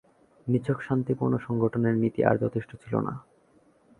নিছক শান্তিপূর্ণ সংগঠনের নীতি আর যথেষ্ট ছিল না।